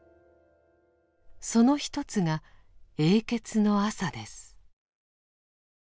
その一つが「永訣の朝」です。